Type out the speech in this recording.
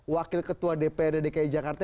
wakil ketua dprd dki jakarta